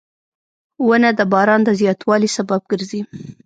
• ونه د باران د زیاتوالي سبب ګرځي.